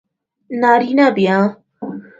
نارینه بیا